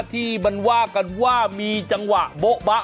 ที่มันว่ากันว่ามีจังหวะโบ๊ะบะ